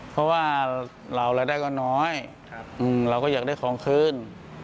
เพราะว่าเรารายได้ก็น้อยเราก็อยากได้ของคืน